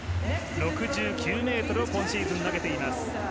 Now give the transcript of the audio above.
６９ｍを今シーズン投げています。